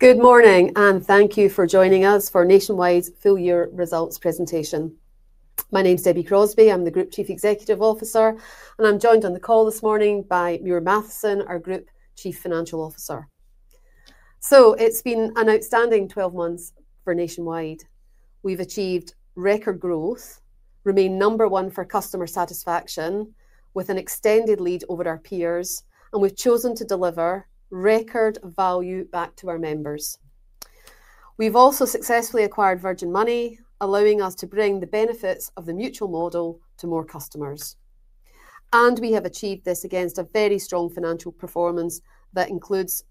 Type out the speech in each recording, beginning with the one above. Good morning, and thank you for joining us for Nationwide Full Year Results Presentation. My name is Debbie Crosbie. I'm the Group Chief Executive Officer, and I'm joined on the call this morning by Muir Mathieson, our Group Chief Financial Officer. It's been an outstanding 12 months for Nationwide. We've achieved record growth, remained number one for customer satisfaction with an extended lead over our peers, and we've chosen to deliver record value back to our members. We've also successfully acquired Virgin Money, allowing us to bring the benefits of the mutual model to more customers. We have achieved this against a very strong financial performance that includes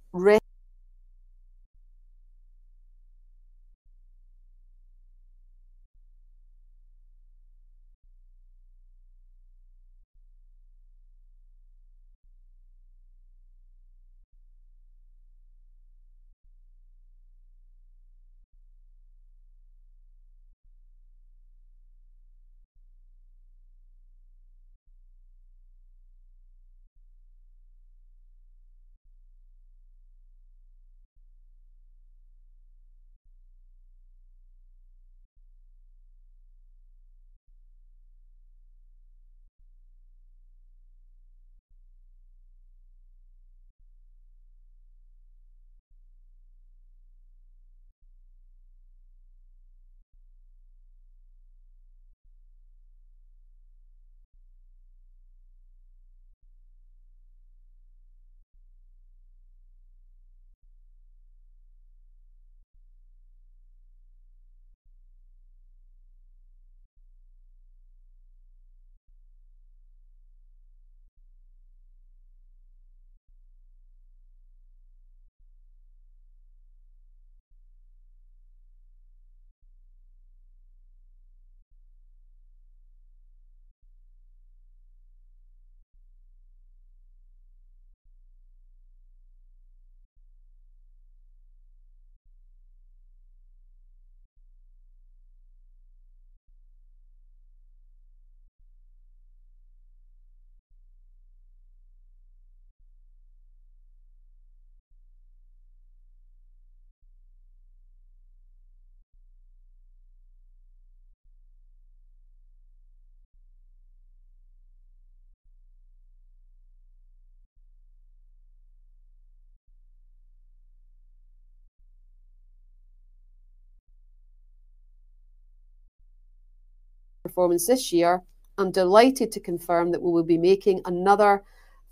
performance this year. I'm delighted to confirm that we will be making another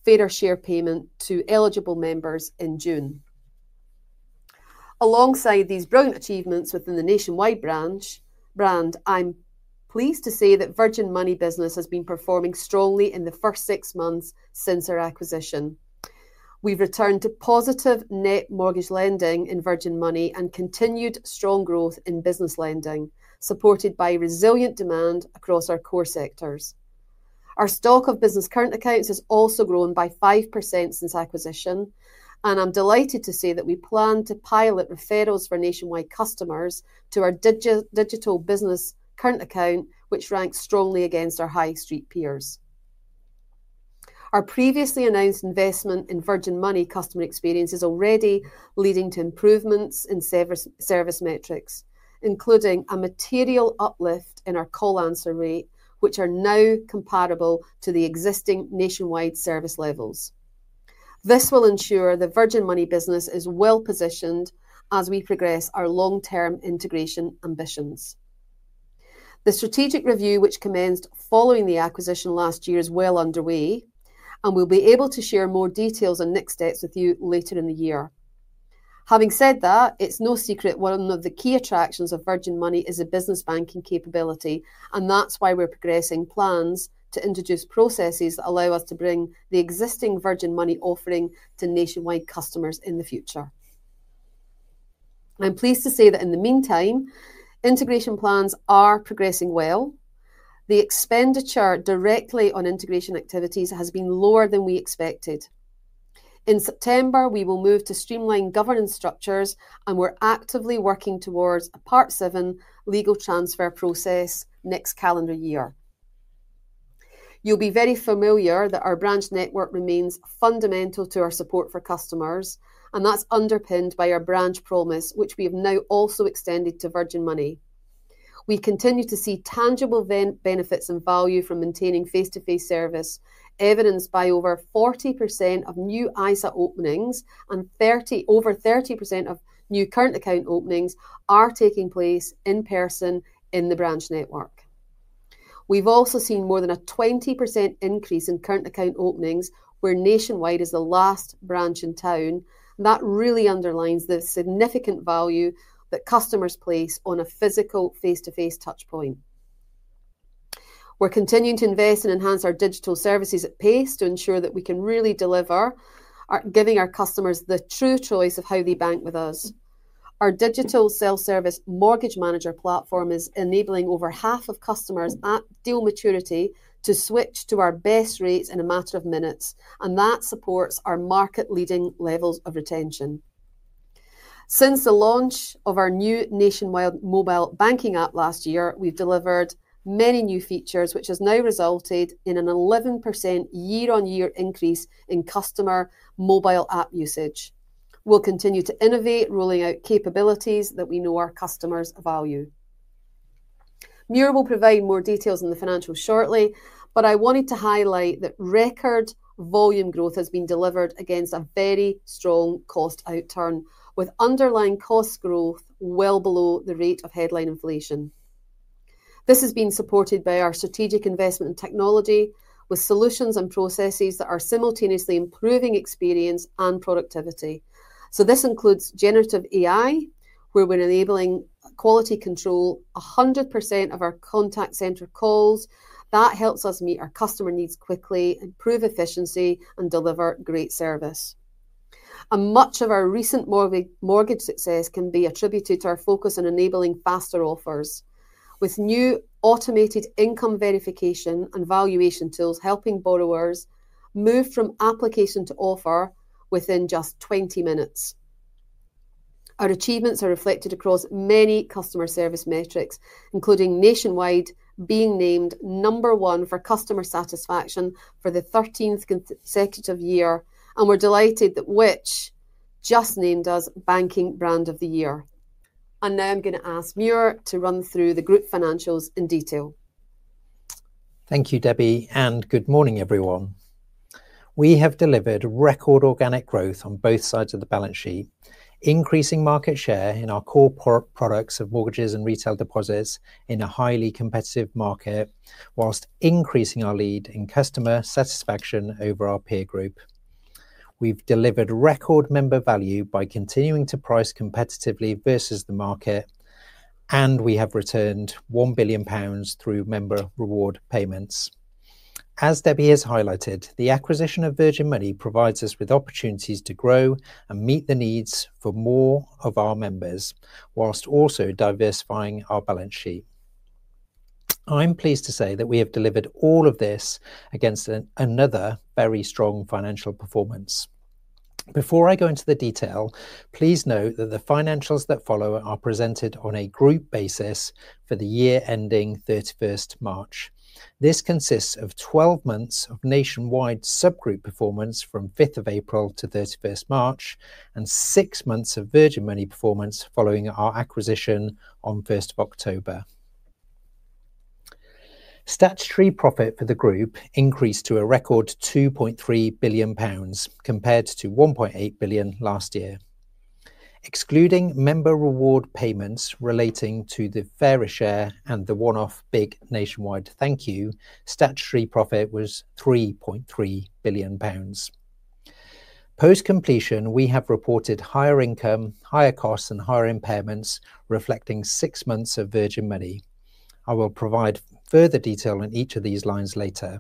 fair share payment to eligible members in June. Alongside these brilliant achievements within the Nationwide Branch, I'm pleased to say that Virgin Money business has been performing strongly in the first six months since our acquisition. We've returned to positive net mortgage lending in Virgin Money and continued strong growth in business lending, supported by resilient demand across our core sectors. Our stock of business current accounts has also grown by 5% since acquisition, and I'm delighted to say that we plan to pilot referrals for Nationwide customers to our digital business current account, which ranks strongly against our high street peers. Our previously announced investment in Virgin Money customer experience is already leading to improvements in service metrics, including a material uplift in our call answer rate, which are now comparable to the existing Nationwide service levels. This will ensure the Virgin Money business is well positioned as we progress our long-term integration ambitions. The strategic review, which commenced following the acquisition last year, is well underway, and we will be able to share more details and next steps with you later in the year. Having said that, it is no secret one of the key attractions of Virgin Money is a business banking capability, and that is why we are progressing plans to introduce processes that allow us to bring the existing Virgin Money offering to Nationwide customers in the future. I am pleased to say that in the meantime, integration plans are progressing well. The expenditure directly on integration activities has been lower than we expected. In September, we will move to streamline governance structures, and we are actively working towards a part seven legal transfer process next calendar year. You'll be very familiar that our branch network remains fundamental to our support for customers, and that's underpinned by our branch promise, which we have now also extended to Virgin Money. We continue to see tangible benefits and value from maintaining face-to-face service, evidenced by over 40% of new ISA openings and over 30% of new current account openings taking place in person in the branch network. We've also seen more than a 20% increase in current account openings, where Nationwide is the last branch in town. That really underlines the significant value that customers place on a physical face-to-face touchpoint. We're continuing to invest and enhance our digital services at pace to ensure that we can really deliver, giving our customers the true choice of how they bank with us. Our digital self-service mortgage manager platform is enabling over half of customers at due maturity to switch to our best rates in a matter of minutes, and that supports our market-leading levels of retention. Since the launch of our new Nationwide Mobile Banking app last year, we've delivered many new features, which has now resulted in an 11% year-on-year increase in customer mobile app usage. We'll continue to innovate, rolling out capabilities that we know our customers value. Muir will provide more details in the financials shortly, but I wanted to highlight that record volume growth has been delivered against a very strong cost outturn, with underlying cost growth well below the rate of headline inflation. This has been supported by our strategic investment in technology, with solutions and processes that are simultaneously improving experience and productivity. This includes generative AI, where we're enabling quality control: 100% of our contact center calls. That helps us meet our customer needs quickly, improve efficiency, and deliver great service. Much of our recent mortgage success can be attributed to our focus on enabling faster offers, with new automated income verification and valuation tools helping borrowers move from application to offer within just 20 minutes. Our achievements are reflected across many customer service metrics, including Nationwide being named number one for customer satisfaction for the 13th consecutive year, and we're delighted that Which just named us Banking Brand of the Year. Now I'm going to ask Muir to run through the group financials in detail. Thank you, Debbie, and good morning, everyone. We have delivered record organic growth on both sides of the balance sheet, increasing market share in our core products of mortgages and retail deposits in a highly competitive market, whilst increasing our lead in customer satisfaction over our peer group. We have delivered record member value by continuing to price competitively versus the market, and we have returned 1 billion pounds through member reward payments. As Debbie has highlighted, the acquisition of Virgin Money provides us with opportunities to grow and meet the needs for more of our members, whilst also diversifying our balance sheet. I'm pleased to say that we have delivered all of this against another very strong financial performance. Before I go into the detail, please note that the financials that follow are presented on a group basis for the year ending 31st March. This consists of 12 months of Nationwide subgroup performance from 5th of April to 31st March and six months of Virgin Money performance following our acquisition on 1st of October. Statutory profit for the group increased to a record 2.3 billion pounds compared to 1.8 billion last year. Excluding member reward payments relating to the fair share and the one-off big Nationwide Thank You, statutory profit was 3.3 billion pounds. Post-completion, we have reported higher income, higher costs, and higher impairments reflecting six months of Virgin Money. I will provide further detail on each of these lines later.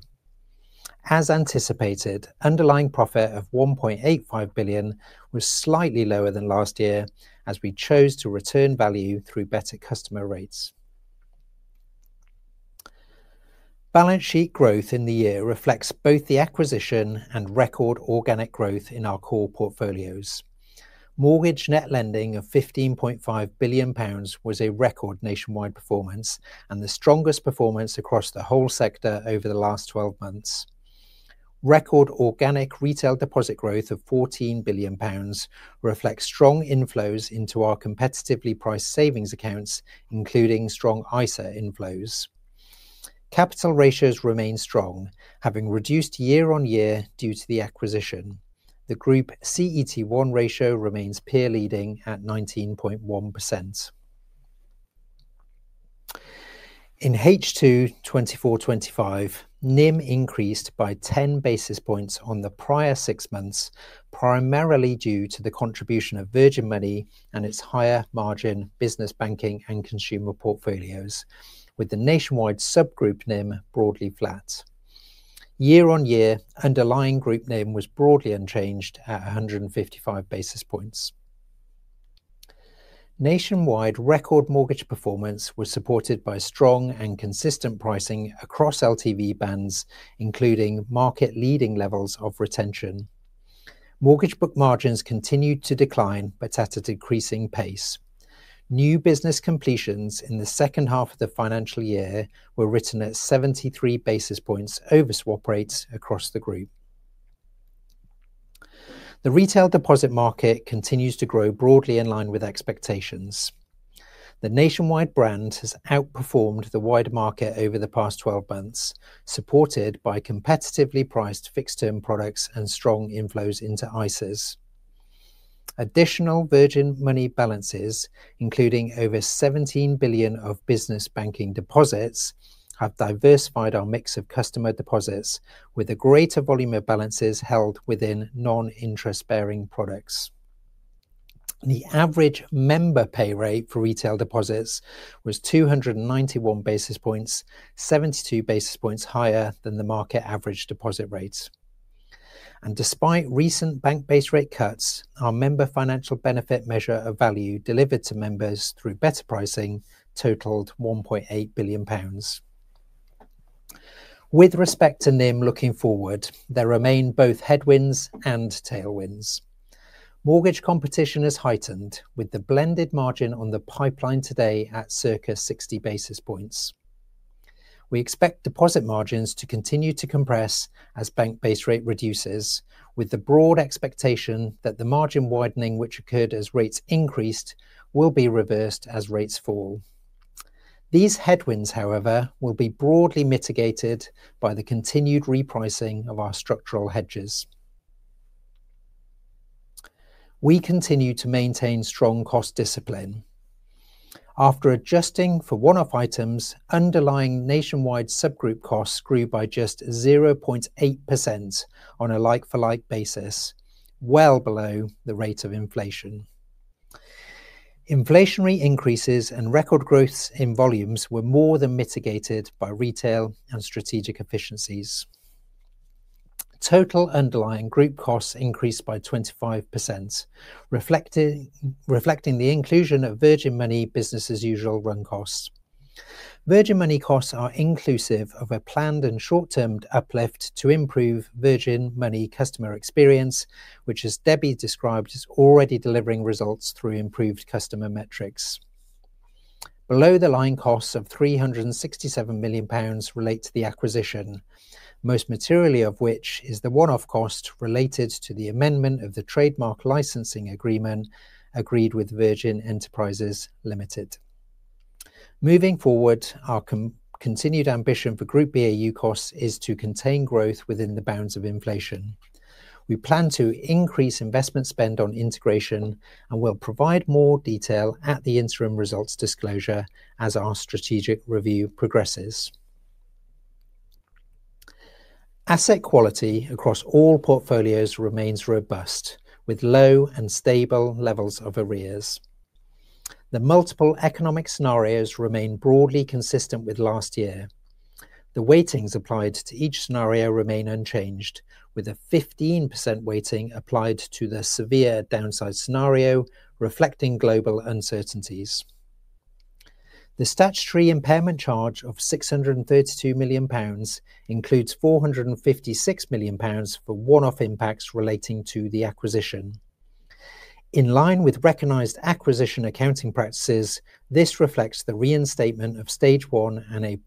As anticipated, underlying profit of 1.85 billion was slightly lower than last year as we chose to return value through better customer rates. Balance sheet growth in the year reflects both the acquisition and record organic growth in our core portfolios. Mortgage net lending of 15.5 billion pounds was a record Nationwide performance and the strongest performance across the whole sector over the last 12 months. Record organic retail deposit growth of 14 billion pounds reflects strong inflows into our competitively priced savings accounts, including strong ISA inflows. Capital ratios remain strong, having reduced year on year due to the acquisition. The group CET1 ratio remains peer leading at 19.1%. In H2 2024-2025, NIM increased by 10 basis points on the prior six months, primarily due to the contribution of Virgin Money and its higher margin business banking and consumer portfolios, with the Nationwide subgroup NIM broadly flat. Year on year, underlying group NIM was broadly unchanged at 155 basis points. Nationwide record mortgage performance was supported by strong and consistent pricing across LTV bands, including market-leading levels of retention. Mortgage book margins continued to decline, but at a decreasing pace. New business completions in the second half of the financial year were written at 73 basis points over swap rates across the group. The retail deposit market continues to grow broadly in line with expectations. The Nationwide Brand has outperformed the wider market over the past 12 months, supported by competitively priced fixed-term products and strong inflows into ISAs. Additional Virgin Money balances, including over 17 billion of business banking deposits, have diversified our mix of customer deposits, with a greater volume of balances held within non-interest-bearing products. The average member pay rate for retail deposits was 291 basis points, 72 basis points higher than the market average deposit rates. Despite recent bank-based rate cuts, our member financial benefit measure of value delivered to members through better pricing totaled 1.8 billion pounds. With respect to NIM looking forward, there remain both headwinds and tailwinds. Mortgage competition has heightened, with the blended margin on the pipeline today at circa 60 basis points. We expect deposit margins to continue to compress as bank-based rate reduces, with the broad expectation that the margin widening which occurred as rates increased will be reversed as rates fall. These headwinds, however, will be broadly mitigated by the continued repricing of our structural hedges. We continue to maintain strong cost discipline. After adjusting for one-off items, underlying Nationwide subgroup costs grew by just 0.8% on a like-for-like basis, well below the rate of inflation. Inflationary increases and record growth in volumes were more than mitigated by retail and strategic efficiencies. Total underlying group costs increased by 25%, reflecting the inclusion of Virgin Money business-as-usual run costs. Virgin Money costs are inclusive of a planned and short-term uplift to improve Virgin Money customer experience, which, as Debbie described, is already delivering results through improved customer metrics. Below-the-line costs of 367 million pounds relate to the acquisition, most materially of which is the one-off cost related to the amendment of the trademark licensing agreement agreed with Virgin Enterprises Limited. Moving forward, our continued ambition for group BAU costs is to contain growth within the bounds of inflation. We plan to increase investment spend on integration and will provide more detail at the interim results disclosure as our strategic review progresses. Asset quality across all portfolios remains robust, with low and stable levels of arrears. The multiple economic scenarios remain broadly consistent with last year. The weightings applied to each scenario remain unchanged, with a 15% weighting applied to the severe downside scenario reflecting global uncertainties. The statutory impairment charge of 632 million pounds includes 456 million pounds for one-off impacts relating to the acquisition. In line with recognized acquisition accounting practices, this reflects the reinstatement of stage one and a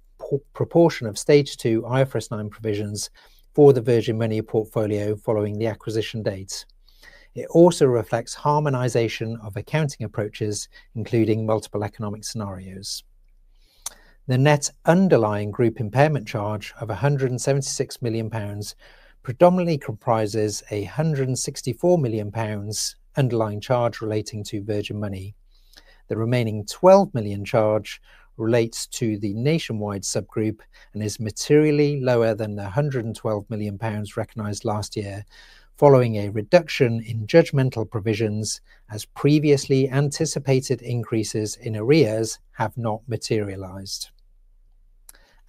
proportion of stage two IFRS 9 provisions for the Virgin Money portfolio following the acquisition date. It also reflects harmonization of accounting approaches, including multiple economic scenarios. The net underlying group impairment charge of 176 million pounds predominantly comprises a 164 million pounds underlying charge relating to Virgin Money. The remaining 12 million charge relates to the Nationwide subgroup and is materially lower than the 112 million pounds recognized last year, following a reduction in judgmental provisions as previously anticipated increases in arrears have not materialized.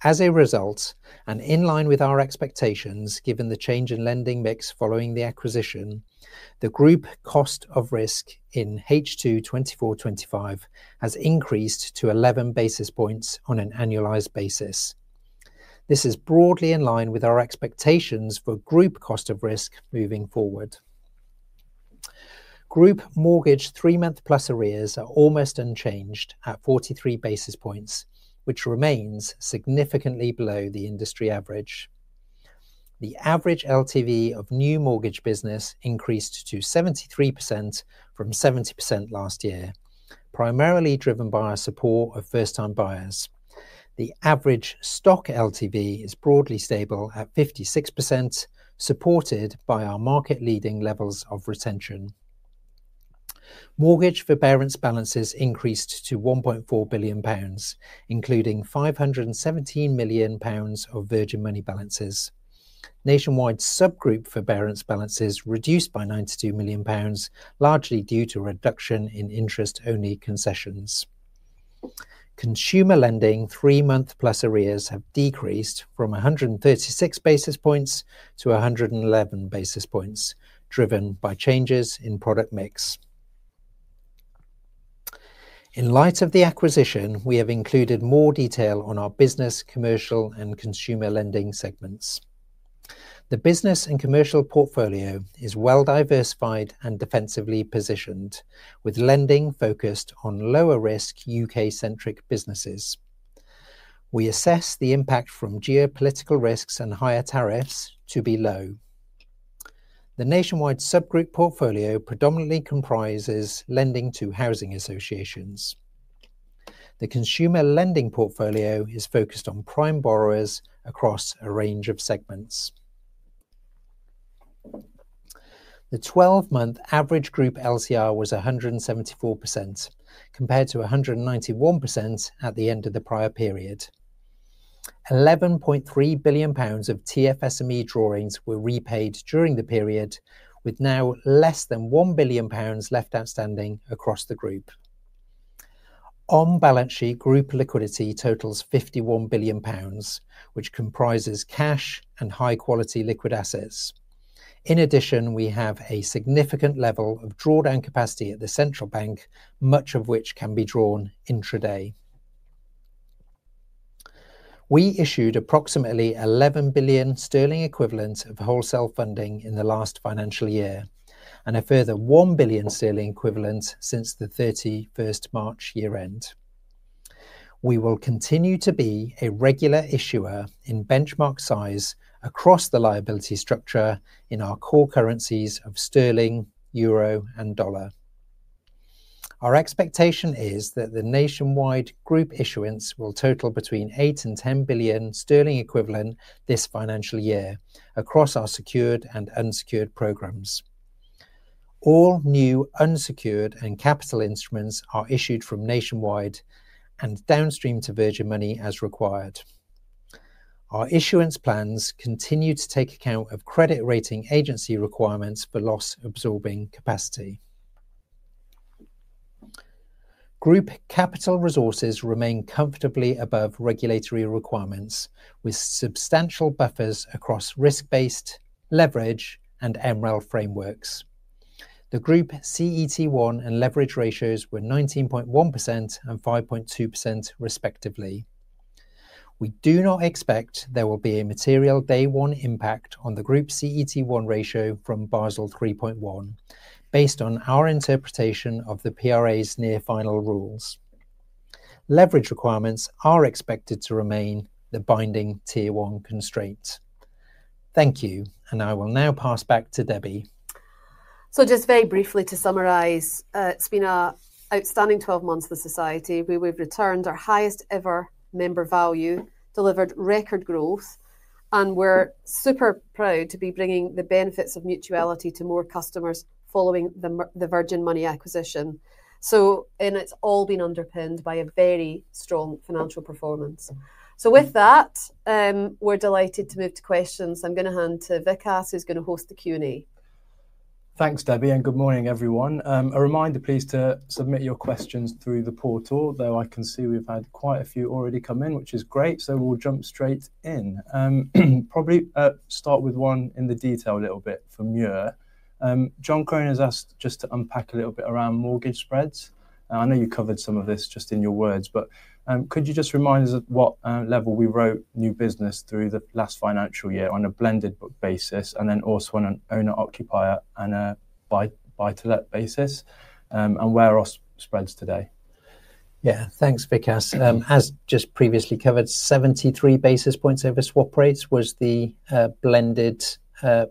As a result, and in line with our expectations given the change in lending mix following the acquisition, the group cost of risk in H2 2024-2025 has increased to 11 basis points on an annualized basis. This is broadly in line with our expectations for group cost of risk moving forward. Group mortgage three-month plus arrears are almost unchanged at 43 basis points, which remains significantly below the industry average. The average LTV of new mortgage business increased to 73% from 70% last year, primarily driven by our support of first-time buyers. The average stock LTV is broadly stable at 56%, supported by our market-leading levels of retention. Mortgage forbearance balances increased to 1.4 billion pounds, including 517 million pounds of Virgin Money balances. Nationwide subgroup forbearance balances reduced by 92 million pounds, largely due to reduction in interest-only concessions. Consumer lending three-month plus arrears have decreased from 136 basis points to 111 basis points, driven by changes in product mix. In light of the acquisition, we have included more detail on our business, commercial, and consumer lending segments. The business and commercial portfolio is well-diversified and defensively positioned, with lending focused on lower-risk U.K.-centric businesses. We assess the impact from geopolitical risks and higher tariffs to be low. The Nationwide subgroup portfolio predominantly comprises lending to housing associations. The consumer lending portfolio is focused on prime borrowers across a range of segments. The 12-month average group LCR was 174%, compared to 191% at the end of the prior period. 11.3 billion pounds of TFSME drawings were repaid during the period, with now less than 1 billion pounds left outstanding across the group. On balance sheet, group liquidity totals 51 billion pounds, which comprises cash and high-quality liquid assets. In addition, we have a significant level of drawdown capacity at the central bank, much of which can be drawn intraday. We issued approximately 11 billion sterling equivalent of wholesale funding in the last financial year and a further 1 billion sterling equivalent since the 31st March year-end. We will continue to be a regular issuer in benchmark size across the liability structure in our core currencies of sterling, euro, and dollar. Our expectation is that the Nationwide group issuance will total between 8-10 billion sterling equivalent this financial year across our secured and unsecured programs. All new unsecured and capital instruments are issued from Nationwide and downstream to Virgin Money as required. Our issuance plans continue to take account of credit rating agency requirements for loss-absorbing capacity. Group capital resources remain comfortably above regulatory requirements, with substantial buffers across risk-based, leverage, and Emerail frameworks. The group CET1 and leverage ratios were 19.1% and 5.2%, respectively. We do not expect there will be a material day-one impact on the group CET1 ratio from Basel 3.1, based on our interpretation of the PRA's near-final rules. Leverage requirements are expected to remain the binding tier one constraint. Thank you, and I will now pass back to Debbie. Just very briefly to summarize, it's been an outstanding 12 months for the Society. We've returned our highest ever member value, delivered record growth, and we're super proud to be bringing the benefits of mutuality to more customers following the Virgin Money acquisition. It's all been underpinned by a very strong financial performance. With that, we're delighted to move to questions. I'm going to hand to Vickas, who's going to host the Q&A. Thanks, Debbie, and good morning, everyone. A reminder, please, to submit your questions through the portal, though I can see we've had quite a few already come in, which is great. We'll jump straight in. Probably start with one in the detail a little bit from you. John Cronin has asked just to unpack a little bit around mortgage spreads. I know you covered some of this just in your words, but could you just remind us of what level we wrote new business through the last financial year on a blended book basis, and then also on an owner-occupier and a buy-to-let basis, and where are our spreads today? Yeah, thanks, Vickas. As just previously covered, 73 basis points over swap rates was the blended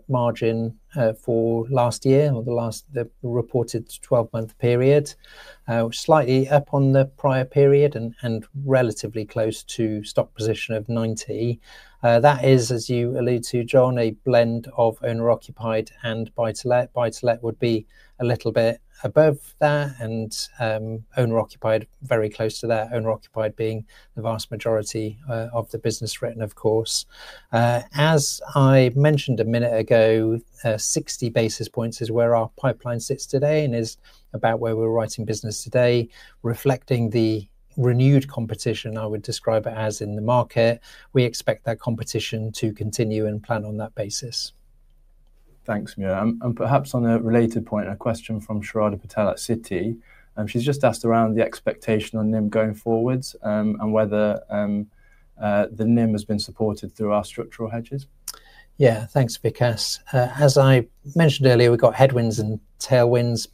margin for last year, or the last reported 12-month period, slightly up on the prior period and relatively close to stock position of 90. That is, as you alluded to, John, a blend of owner-occupied and buy-to-let. Buy-to-let would be a little bit above that, and owner-occupied very close to that, owner-occupied being the vast majority of the business written, of course. As I mentioned a minute ago, 60 basis points is where our pipeline sits today and is about where we are writing business today, reflecting the renewed competition, I would describe it as, in the market. We expect that competition to continue and plan on that basis. Thanks, Muir. And perhaps on a related point, a question from Sharada Patel at Citi. She has just asked around the expectation on NIM going forwards and whether the NIM has been supported through our structural hedges. Yeah, thanks, Vickas. As I mentioned earlier, we have got headwinds and tailwinds.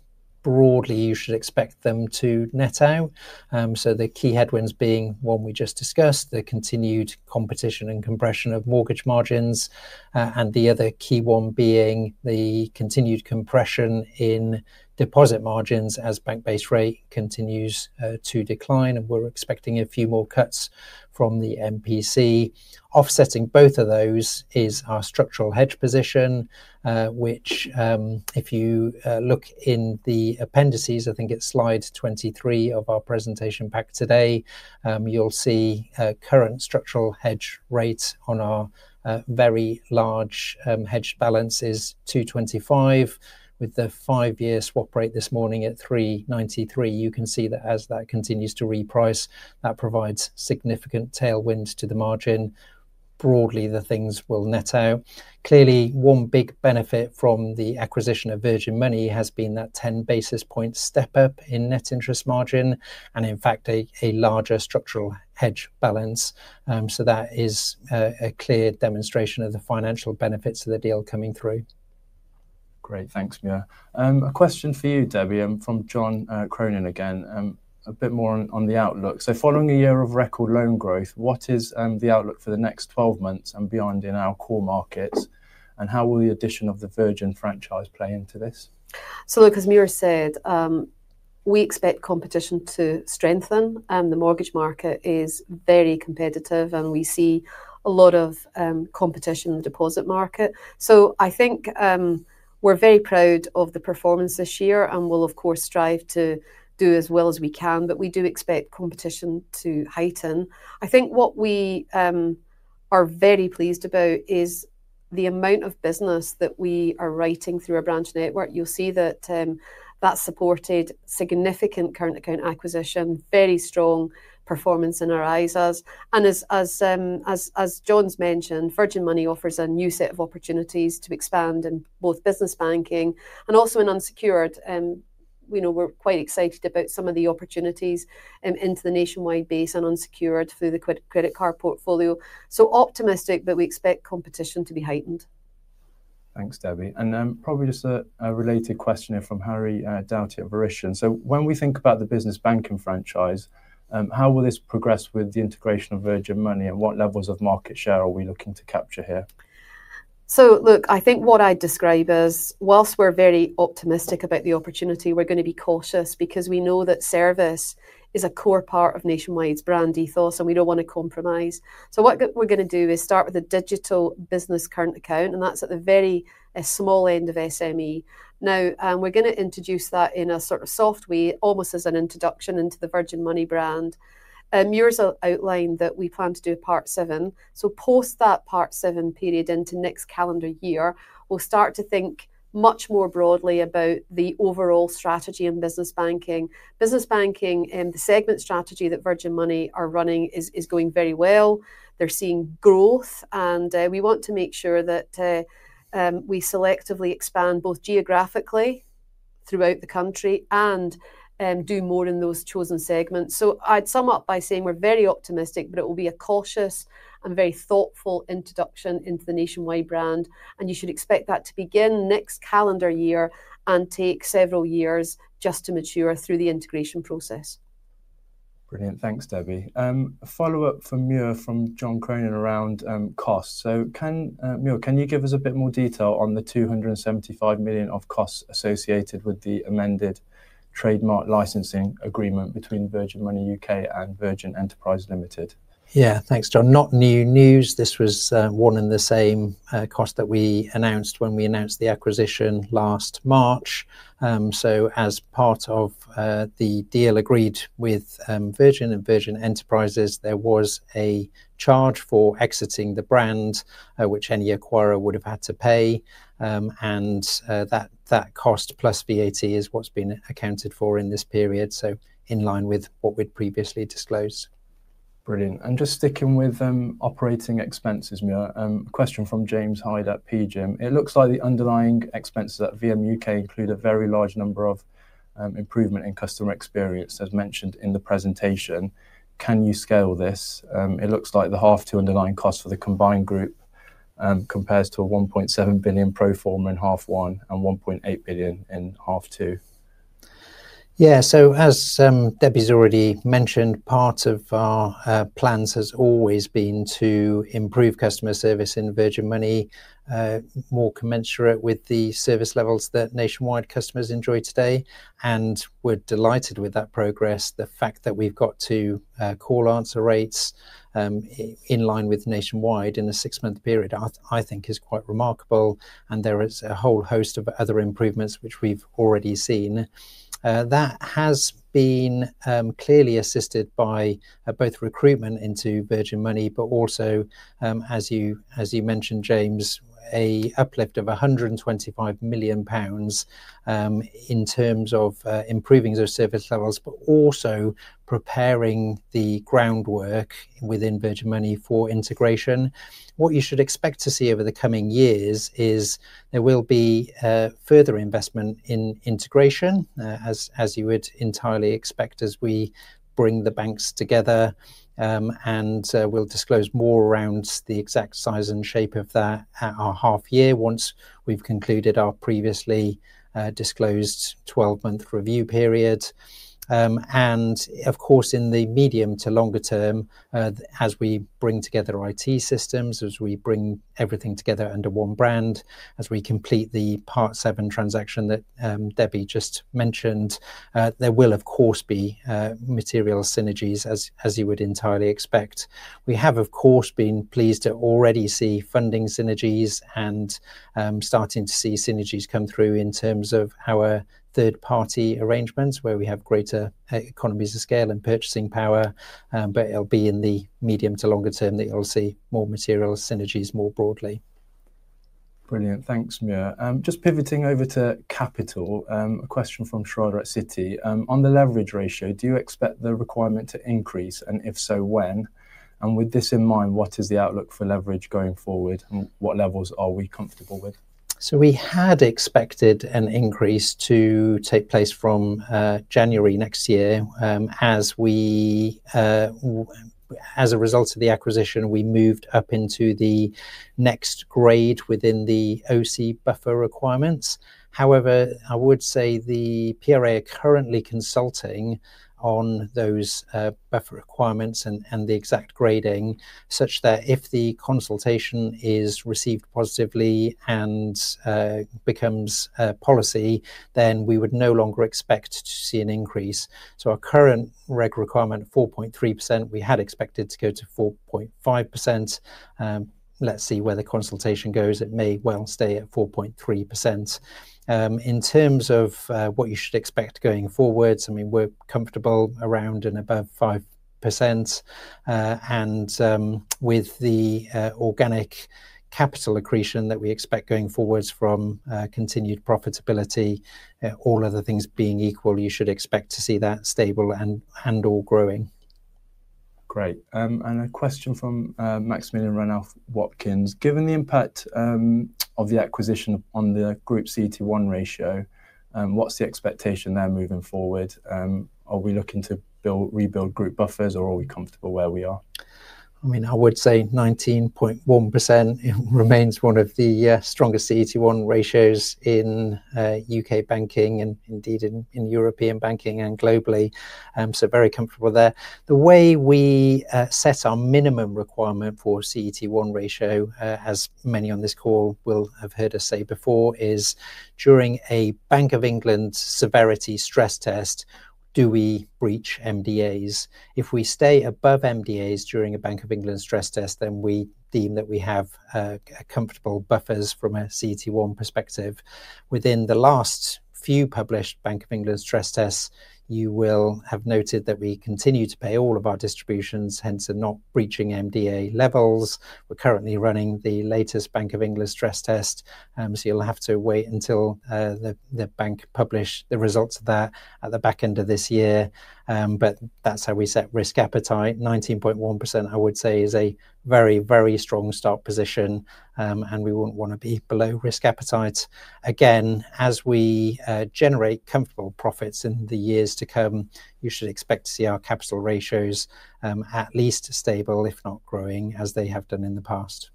Broadly, you should expect them to net out. The key headwinds being one we just discussed, the continued competition and compression of mortgage margins, and the other key one being the continued compression in deposit margins as bank base rate continues to decline. We are expecting a few more cuts from the MPC. Offsetting both of those is our structural hedge position, which, if you look in the appendices, I think it is slide 23 of our presentation pack today, you will see current structural hedge rates on our very large hedged balance is 225, with the five-year swap rate this morning at 393. You can see that as that continues to reprice, that provides significant tailwinds to the margin. Broadly, the things will net out. Clearly, one big benefit from the acquisition of Virgin Money has been that 10 basis point step-up in net interest margin and, in fact, a larger structural hedge balance. That is a clear demonstration of the financial benefits of the deal coming through. Great, thanks, Muir. A question for you, Debbie, from John Cronin again, a bit more on the outlook. Following a year of record loan growth, what is the outlook for the next 12 months and beyond in our core markets, and how will the addition of the Virgin franchise play into this? Look, as Muir said, we expect competition to strengthen. The mortgage market is very competitive, and we see a lot of competition in the deposit market. I think we are very proud of the performance this year and will, of course, strive to do as well as we can, but we do expect competition to heighten. I think what we are very pleased about is the amount of business that we are writing through our branch network. You'll see that that supported significant current account acquisition, very strong performance in our ISAs. As John's mentioned, Virgin Money offers a new set of opportunities to expand in both business banking and also in unsecured. We're quite excited about some of the opportunities into the Nationwide base and unsecured through the credit card portfolio. So optimistic, but we expect competition to be heightened. Thanks, Debbie. Probably just a related question here from Harry Goodhart at Verus Partners. When we think about the business banking franchise, how will this progress with the integration of Virgin Money, and what levels of market share are we looking to capture here? Look, I think what I'd describe as, whilst we're very optimistic about the opportunity, we're going to be cautious because we know that service is a core part of Nationwide's brand ethos, and we don't want to compromise. What we're going to do is start with a digital business current account, and that's at the very small end of SME. Now, we're going to introduce that in a sort of soft way, almost as an introduction into the Virgin Money brand. Muir has outlined that we plan to do a part seven. Post that part seven period into next calendar year, we'll start to think much more broadly about the overall strategy in business banking. Business banking and the segment strategy that Virgin Money are running is going very well. They're seeing growth, and we want to make sure that we selectively expand both geographically throughout the country and do more in those chosen segments. I'd sum up by saying we're very optimistic, but it will be a cautious and very thoughtful introduction into the Nationwide brand, and you should expect that to begin next calendar year and take several years just to mature through the integration process. Brilliant. Thanks, Debbie. A follow-up from Muir from John Cronin around costs. Muir, can you give us a bit more detail on the 275 million of costs associated with the amended trademark licensing agreement between Virgin Money U.K. and Virgin Enterprises Limited? Yeah, thanks, John. Not new news. This was one and the same cost that we announced when we announced the acquisition last March. As part of the deal agreed with Virgin and Virgin Enterprises, there was a charge for exiting the brand, which any acquirer would have had to pay. That cost plus VAT is what's been accounted for in this period, in line with what we'd previously disclosed. Brilliant. Just sticking with operating expenses, Muir, a question from James Hyde at PGIM. It looks like the underlying expenses at VM U.K. nclude a very large number of improvement in customer experience, as mentioned in the presentation. Can you scale this? It looks like the half two underlying costs for the combined group compares to a 1.7 billion pro forma in half one and 1.8 billion in half two. Yeah, as Debbie's already mentioned, part of our plans has always been to improve customer service in Virgin Money, more commensurate with the service levels that Nationwide customers enjoy today. We're delighted with that progress. The fact that we've got two call-answer rates in line with Nationwide in a six-month period, I think, is quite remarkable. There is a whole host of other improvements, which we've already seen. That has been clearly assisted by both recruitment into Virgin Money, but also, as you mentioned, James, an uplift of 125 million pounds in terms of improving those service levels, but also preparing the groundwork within Virgin Money for integration. You should expect to see over the coming years that there will be further investment in integration, as you would entirely expect as we bring the banks together. We will disclose more around the exact size and shape of that at our half year, once we've concluded our previously disclosed 12-month review period. Of course, in the medium to longer term, as we bring together IT systems, as we bring everything together under one brand, as we complete the part seven transaction that Debbie just mentioned, there will, of course, be material synergies, as you would entirely expect. We have, of course, been pleased to already see funding synergies and starting to see synergies come through in terms of our third-party arrangements, where we have greater economies of scale and purchasing power. It will be in the medium to longer term that you'll see more material synergies more broadly. Brilliant. Thanks, Muir. Just pivoting over to capital, a question from Sharada at Citi. On the leverage ratio, do you expect the requirement to increase, and if so, when? With this in mind, what is the outlook for leverage going forward, and what levels are we comfortable with? We had expected an increase to take place from January next year. As a result of the acquisition, we moved up into the next grade within the OC buffer requirements. However, I would say the PRA are currently consulting on those buffer requirements and the exact grading, such that if the consultation is received positively and becomes policy, then we would no longer expect to see an increase. Our current reg requirement, 4.3%, we had expected to go to 4.5%. Let's see where the consultation goes. It may well stay at 4.3%. In terms of what you should expect going forward, I mean, we're comfortable around and above 5%. With the organic capital accretion that we expect going forward from continued profitability, all other things being equal, you should expect to see that stable and growing. Great. A question from Maximilian Renault-Watkins. Given the impact of the acquisition on the group CET1 ratio, what's the expectation there moving forward? Are we looking to rebuild group buffers, or are we comfortable where we are? I mean, I would say 19.1% remains one of the strongest CET1 ratios in U.K. banking and indeed in European banking and globally. So very comfortable there. The way we set our minimum requirement for CET1 ratio, as many on this call will have heard us say before, is during a Bank of England severity stress test, do we breach MDAs? If we stay above MDAs during a Bank of England stress test, then we deem that we have comfortable buffers from a CET1 perspective. Within the last few published Bank of England stress tests, you will have noted that we continue to pay all of our distributions, hence are not breaching MDA levels. We're currently running the latest Bank of England stress test, so you'll have to wait until the bank publish the results of that at the back end of this year. That's how we set risk appetite. 19.1% I would say is a very, very strong stock position, and we wouldn't want to be below risk appetite. Again, as we generate comfortable profits in the years to come, you should expect to see our capital ratios at least stable, if not growing, as they have done in the past.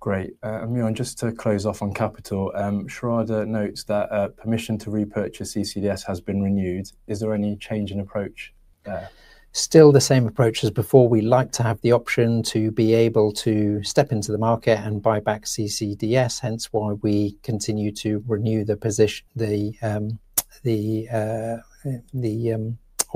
Great. Muir, just to close off on capital, Sharada notes that permission to repurchase CCDS has been renewed. Is there any change in approach there? Still the same approach as before. We like to have the option to be able to step into the market and buy back CCDS, hence why we continue to renew the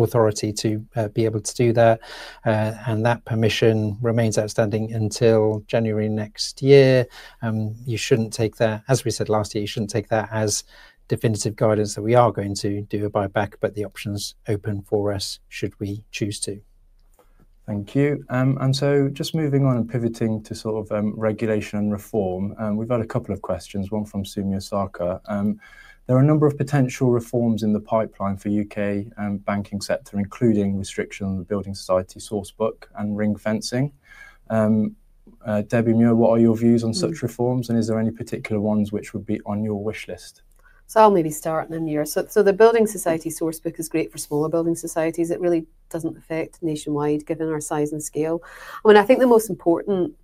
authority to be able to do that. That permission remains outstanding until January next year. You should not take that, as we said last year, you should not take that as definitive guidance that we are going to do a buyback, but the option is open for us should we choose to. Thank you. Just moving on and pivoting to sort of regulation and reform, we have had a couple of questions, one from Sumia Sarkar. There are a number of potential reforms in the pipeline for the U.K. banking sector, including restriction on the Building Society Sourcebook and ring fencing. Debbie, Muir, what are your views on such reforms, and are there any particular ones which would be on your wish list? I'll maybe start then, Muir. The Building Society Sourcebook is great for smaller building societies. It really doesn't affect Nationwide given our size and scale. I mean, I think the most important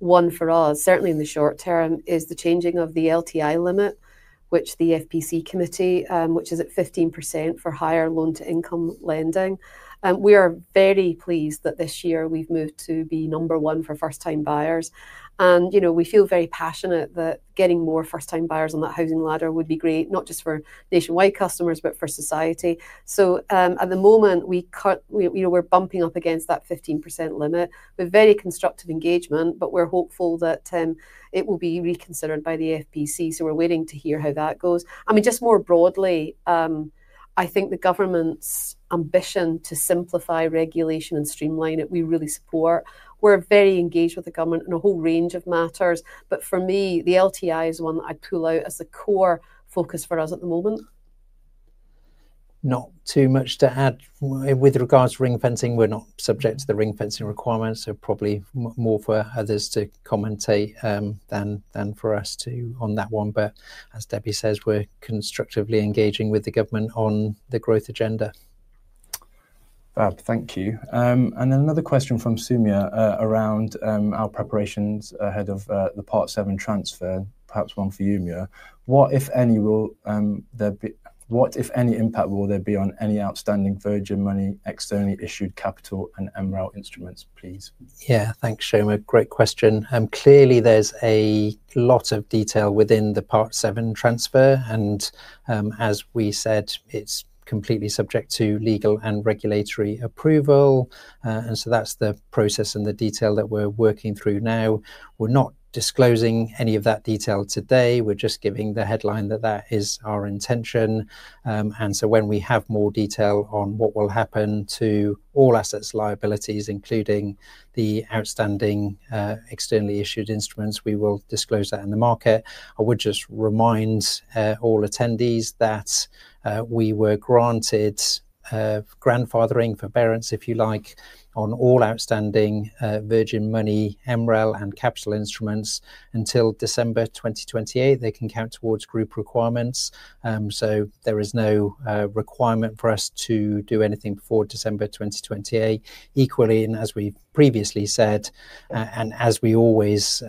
one for us, certainly in the short term, is the changing of the LTI limit, which the FPC Committee, which is at 15% for higher loan-to-income lending. We are very pleased that this year we've moved to be number one for first-time buyers. We feel very passionate that getting more first-time buyers on that housing ladder would be great, not just for Nationwide customers, but for society. At the moment, we're bumping up against that 15% limit with very constructive engagement, but we're hopeful that it will be reconsidered by the FPC. We're waiting to hear how that goes. I mean, just more broadly, I think the government's ambition to simplify regulation and streamline it, we really support. We're very engaged with the government in a whole range of matters. For me, the LTI is one that I'd pull out as a core focus for us at the moment. Not too much to add. With regards to ring fencing, we're not subject to the ring fencing requirements, so probably more for others to commentate than for us to on that one. As Debbie says, we're constructively engaging with the government on the growth agenda. Fab. Thank you. Another question from Sumia around our preparations ahead of the part seven transfer, perhaps one for you, Muir. What, if any, will there be, what, if any, impact will there be on any outstanding Virgin Money externally issued capital and Emerail instruments, please? Yeah, thanks, Shoma. Great question. Clearly, there is a lot of detail within the part seven transfer. As we said, it is completely subject to legal and regulatory approval. That is the process and the detail that we are working through now. We are not disclosing any of that detail today. We are just giving the headline that that is our intention. When we have more detail on what will happen to all assets and liabilities, including the outstanding externally issued instruments, we will disclose that in the market. I would just remind all attendees that we were granted grandfathering for parents, if you like, on all outstanding Virgin Money, Emerail, and capital instruments until December 2028. They can count towards group requirements. There is no requirement for us to do anything before December 2028. Equally, and as we have previously said, and as we always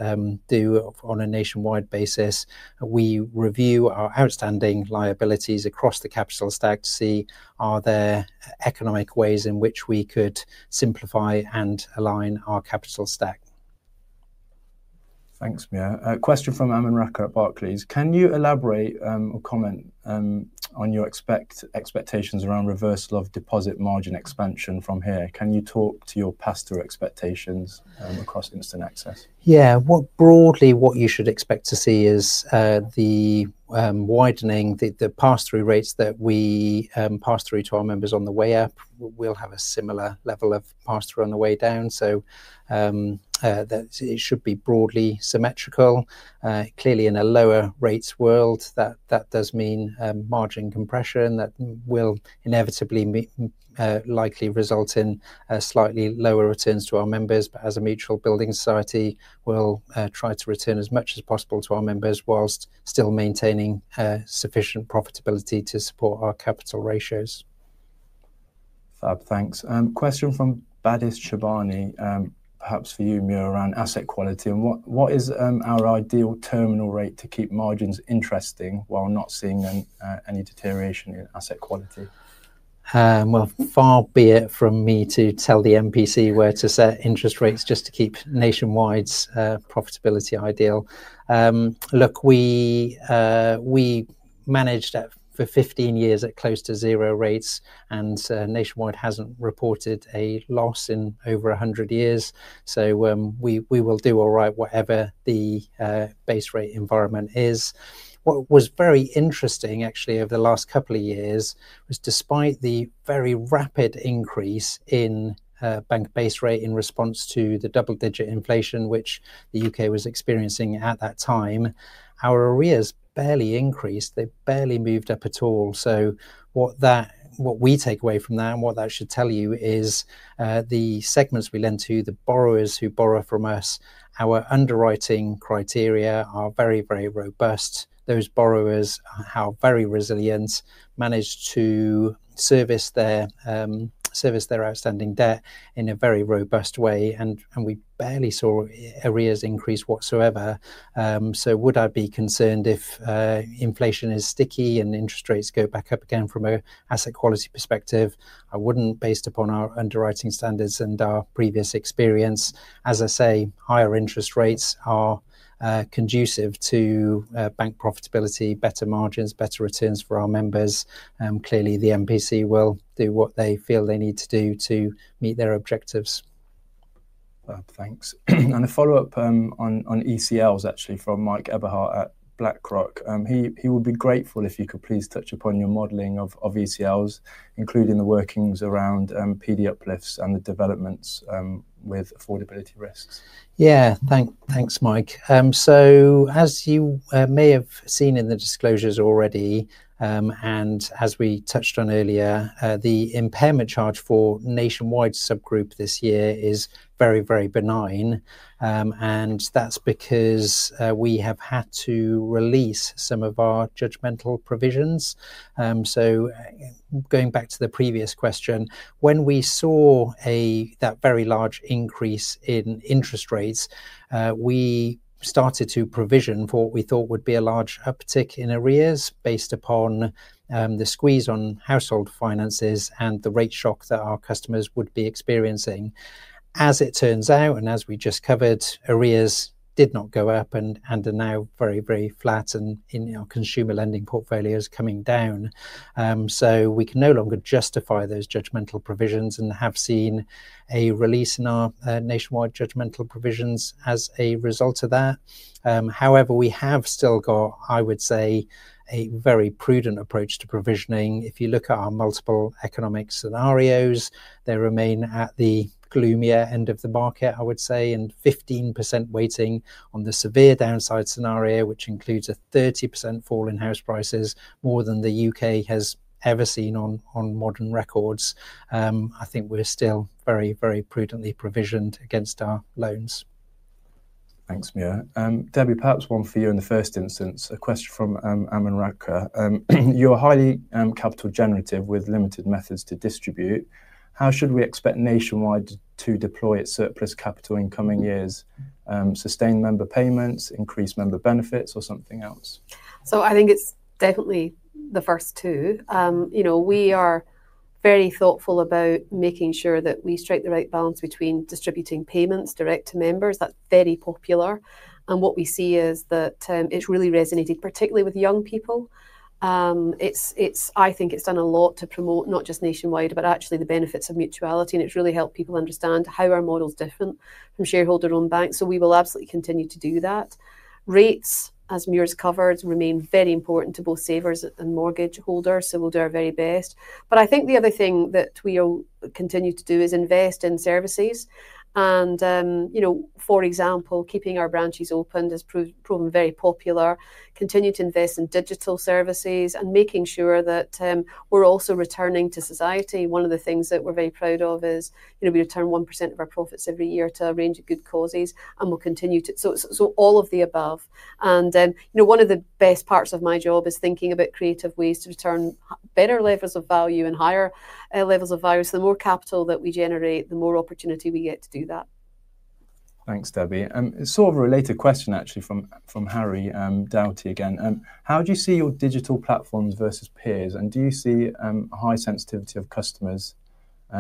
do on a Nationwide basis, we review our outstanding liabilities across the capital stack to see are there economic ways in which we could simplify and align our capital stack. Thanks, Muir. Question from Amun Rakkar at Barclays. Can you elaborate or comment on your expectations around reversal of deposit margin expansion from here? Can you talk to your pass-through expectations across instant access? Yeah. Broadly, what you should expect to see is the widening, the pass-through rates that we pass through to our members on the way up. We will have a similar level of pass-through on the way down. It should be broadly symmetrical. Clearly, in a lower rates world, that does mean margin compression that will inevitably likely result in slightly lower returns to our members. As a mutual building society, we'll try to return as much as possible to our members whilst still maintaining sufficient profitability to support our capital ratios. Fab. Thanks. Question from Baddis Shabani, perhaps for you, Muir, around asset quality. What is our ideal terminal rate to keep margins interesting while not seeing any deterioration in asset quality? Far be it from me to tell the MPC where to set interest rates just to keep Nationwide's profitability ideal. Look, we managed for 15 years at close to zero rates, and Nationwide hasn't reported a loss in over 100 years. We will do all right whatever the base rate environment is. What was very interesting, actually, over the last couple of years was despite the very rapid increase in bank base rate in response to the double-digit inflation, which the U.K. was experiencing at that time, our arrears barely increased. They barely moved up at all. What we take away from that and what that should tell you is the segments we lend to, the borrowers who borrow from us, our underwriting criteria are very, very robust. Those borrowers are very resilient, manage to service their outstanding debt in a very robust way. We barely saw arrears increase whatsoever. Would I be concerned if inflation is sticky and interest rates go back up again from an asset quality perspective? I would not, based upon our underwriting standards and our previous experience. As I say, higher interest rates are conducive to bank profitability, better margins, better returns for our members. Clearly, the MPC will do what they feel they need to do to meet their objectives. Fab. Thanks. A follow-up on ECLs, actually, from Mike Eberhart at BlackRock. He would be grateful if you could please touch upon your modeling of ECLs, including the workings around PD uplifts and the developments with affordability risks. Yeah. Thanks, Mike. As you may have seen in the disclosures already, and as we touched on earlier, the impairment charge for Nationwide subgroup this year is very, very benign. That is because we have had to release some of our judgmental provisions. Going back to the previous question, when we saw that very large increase in interest rates, we started to provision for what we thought would be a large uptick in arrears based upon the squeeze on household finances and the rate shock that our customers would be experiencing. As it turns out, and as we just covered, arrears did not go up and are now very, very flat, and our consumer lending portfolio is coming down. We can no longer justify those judgmental provisions and have seen a release in our Nationwide judgmental provisions as a result of that. However, we have still got, I would say, a very prudent approach to provisioning. If you look at our multiple economic scenarios, they remain at the gloomier end of the market, I would say, and 15% weighting on the severe downside scenario, which includes a 30% fall in house prices, more than the U.K. has ever seen on modern records. I think we are still very, very prudently provisioned against our loans. Thanks, Muir. Debbie, perhaps one for you in the first instance, a question from Amun Rakkar. You are highly capital generative with limited methods to distribute. How should we expect Nationwide to deploy that surplus capital in coming years? Sustain member payments, increase member benefits, or something else? I think it is definitely the first two. We are very thoughtful about making sure that we strike the right balance between distributing payments direct to members. That is very popular. What we see is that it has really resonated, particularly with young people. I think it has done a lot to promote not just Nationwide, but actually the benefits of mutuality. It has really helped people understand how our model is different from shareholder-owned banks. We will absolutely continue to do that. Rates, as Muir has covered, remain very important to both savers and mortgage holders, so we will do our very best. I think the other thing that we will continue to do is invest in services. For example, keeping our branches open has proven very popular. Continue to invest in digital services and making sure that we're also returning to society. One of the things that we're very proud of is we return 1% of our profits every year to a range of good causes. We'll continue to. All of the above. One of the best parts of my job is thinking about creative ways to return better levels of value and higher levels of value. The more capital that we generate, the more opportunity we get to do that. Thanks, Debbie. Sort of a related question, actually, from Harry Goodhart again. How do you see your digital platforms versus peers? Do you see a high sensitivity of customers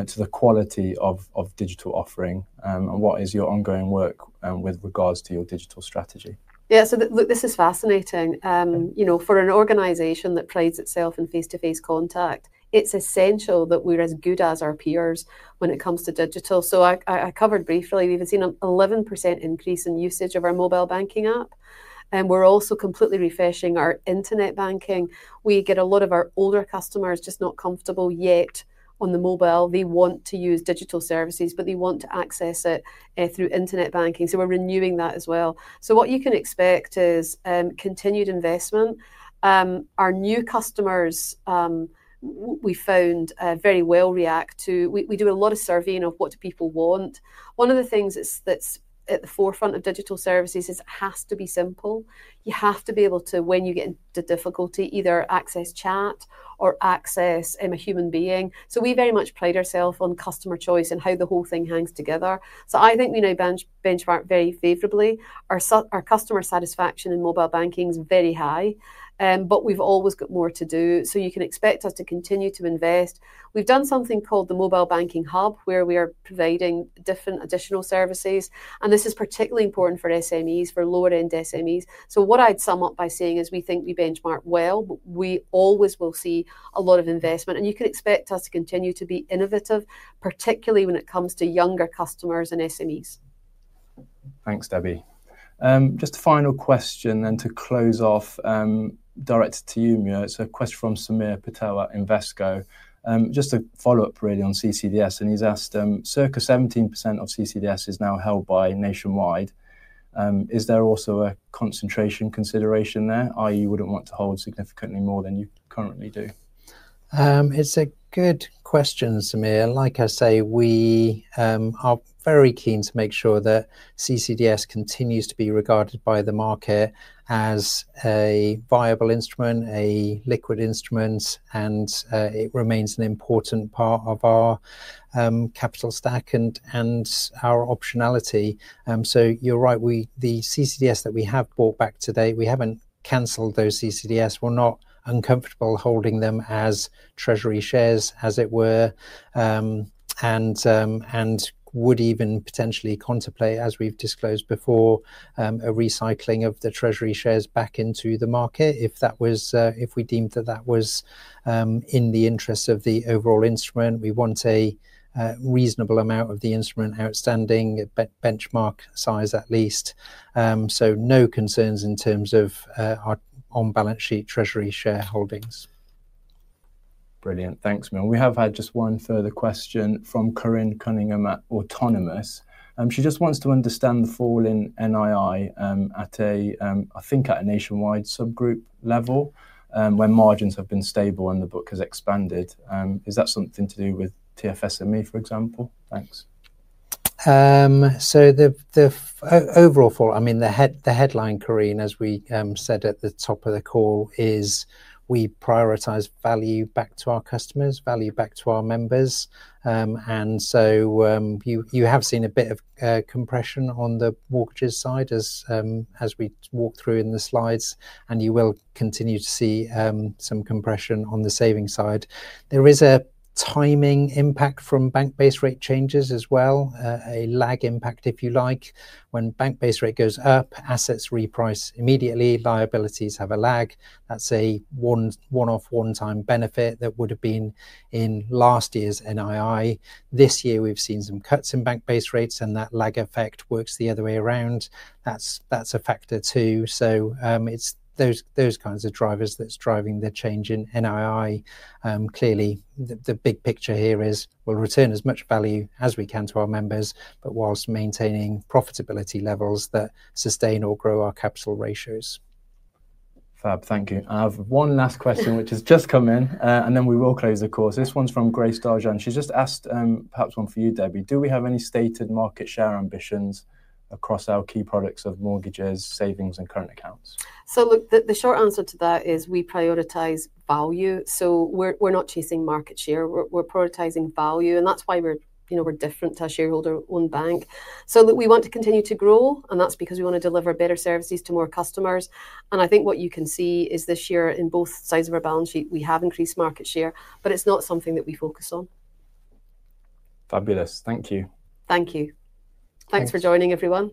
to the quality of digital offering? What is your ongoing work with regards to your digital strategy? Yeah. Look, this is fascinating. For an organization that prides itself in face-to-face contact, it's essential that we're as good as our peers when it comes to digital. I covered briefly, we've seen an 11% increase in usage of our mobile banking app. We're also completely refreshing our internet banking. We get a lot of our older customers just not comfortable yet on the mobile. They want to use digital services, but they want to access it through internet banking. We're renewing that as well. What you can expect is continued investment. Our new customers, we found, very well react to. We do a lot of surveying of what do people want. One of the things that's at the forefront of digital services is it has to be simple. You have to be able to, when you get into difficulty, either access chat or access a human being. We very much pride ourselves on customer choice and how the whole thing hangs together. I think we now benchmark very favorably. Our customer satisfaction in mobile banking is very high, but we've always got more to do. You can expect us to continue to invest. We've done something called the Mobile Banking Hub, where we are providing different additional services. This is particularly important for SMEs, for lower-end SMEs. What I'd sum up by saying is we think we benchmark well. We always will see a lot of investment. You can expect us to continue to be innovative, particularly when it comes to younger customers and SMEs. Thanks, Debbie. Just a final question and to close off, directed to you, Muir. It's a question from Samir Patel at Invesco. Just a follow-up, really, on CCDS. He's asked, "Circa 17% of CCDS is now held by Nationwide. Is there also a concentration consideration there, i.e., you would not want to hold significantly more than you currently do?" It is a good question, Samir. Like I say, we are very keen to make sure that CCDS continues to be regarded by the market as a viable instrument, a liquid instrument, and it remains an important part of our capital stack and our optionality. You are right. The CCDS that we have bought back today, we have not canceled those CCDS. We are not uncomfortable holding them as treasury shares, as it were, and would even potentially contemplate, as we have disclosed before, a recycling of the treasury shares back into the market if we deemed that that was in the interest of the overall instrument. We want a reasonable amount of the instrument outstanding, benchmark size at least. No concerns in terms of our on-balance sheet treasury shareholdings. Brilliant. Thanks, Muir. We have had just one further question from Corinne Cunningham at Autonomous. She just wants to understand the fall in NII at a, I think, at a Nationwide subgroup level when margins have been stable and the book has expanded. Is that something to do with TFSME, for example? Thanks. The overall fall, I mean, the headline, Corinne, as we said at the top of the call, is we prioritize value back to our customers, value back to our members. You have seen a bit of compression on the mortgages side as we walk through in the slides, and you will continue to see some compression on the savings side. There is a timing impact from bank-based rate changes as well, a lag impact, if you like. When bank-based rate goes up, assets reprice immediately. Liabilities have a lag. That's a one-off, one-time benefit that would have been in last year's NII. This year, we've seen some cuts in bank-based rates, and that lag effect works the other way around. That's a factor too. It's those kinds of drivers that's driving the change in NII. Clearly, the big picture here is we'll return as much value as we can to our members, but whilst maintaining profitability levels that sustain or grow our capital ratios. Fab. Thank you. I have one last question, which has just come in, and then we will close, of course. This one's from Grace Darjeon. She's just asked, perhaps one for you, Debbie. Do we have any stated market share ambitions across our key products of mortgages, savings, and current accounts? The short answer to that is we prioritize value. We're not chasing market share. We're prioritizing value. That's why we're different to a shareholder-owned bank. Look, we want to continue to grow, and that's because we want to deliver better services to more customers. I think what you can see is this year, in both sides of our balance sheet, we have increased market share, but it's not something that we focus on. Fabulous. Thank you. Thank you. Thanks for joining, everyone.